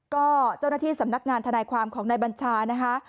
ก็เจ้าหน้าที่สำนักงานทนายความของนายบัญชานะคะ